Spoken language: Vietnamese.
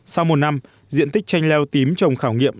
sau một năm diện tích chanh leo tím trồng khảo nghiệm